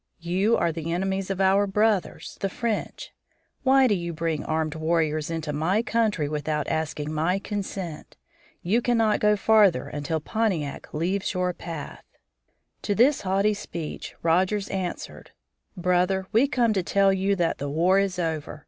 You are the enemies of our brothers, the French. Why do you bring armed warriors into my country without asking my consent? You can not go farther until Pontiac leaves your path." [Illustration: PONTIAC AND ROGERS] To this haughty speech Rogers answered: "Brother, we come to tell you that the war is over.